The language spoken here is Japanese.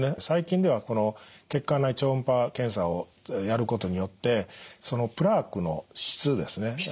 最近ではこの血管内超音波検査をやることによってそのプラークの質ですね